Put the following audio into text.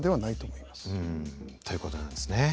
うんということなんですね。